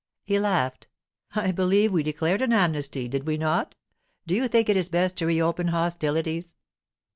He laughed. 'I believe we declared an amnesty, did we not? Do you think it is best to reopen hostilities?